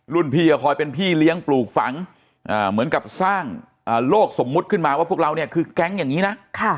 พี่ก็คอยเป็นพี่เลี้ยงปลูกฝังเหมือนกับสร้างโลกสมมุติขึ้นมาว่าพวกเราเนี่ยคือแก๊งอย่างนี้นะ